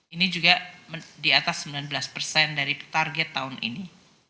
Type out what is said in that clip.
ini juga di atas sembilan belas persen dari target tahun ini